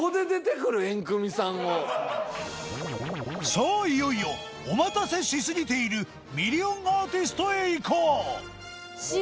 さあいよいよお待たせしすぎているミリオンアーティストへ行こう